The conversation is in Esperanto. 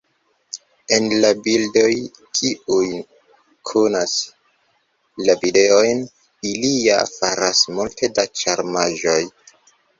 En la bildoj, kiuj kunas la videojn, ili ja faras multe da ĉarmaĵoj.